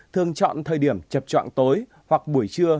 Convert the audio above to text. thường chọn thời điểm chập trạng tối hoặc buổi trưa